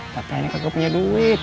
tapi ini aku punya duit